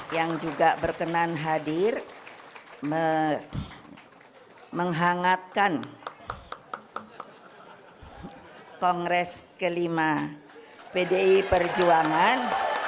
yang juga berkenan hadir menghangatkan kongres kelima pdi perjuangan